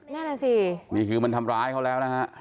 แน่นอนสิี่คือมันทำร้ายเขาแล้ว